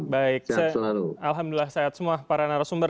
baik alhamdulillah sehat semua para narasumber